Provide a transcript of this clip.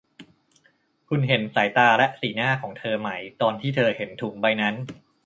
คุณเห็นสายตาและสีหน้าของเธอไหมตอนที่เธอเห็นถุงใบนั้น